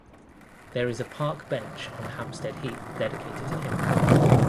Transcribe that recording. There is a park bench on Hampstead Heath dedicated to him.